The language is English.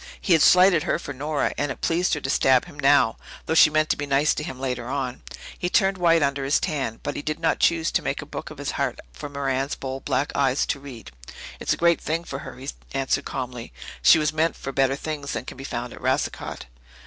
He had slighted her for Nora, and it pleased her to stab him now, though she meant to be nice to him later on. He turned white under his tan, but he did not choose to make a book of his heart for Merran's bold black eyes to read. "It's a great thing for her," he answered calmly. "She was meant for better things than can be found at Racicot."